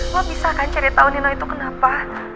lo bisa kan cari tau nino itu kenapa